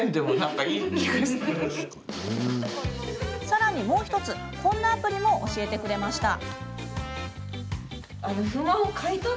さらに、もう１つこんなアプリも教えてくれました。